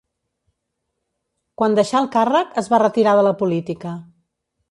Quan deixà el càrrec es va retirar de la política.